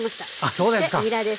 そしてにらです。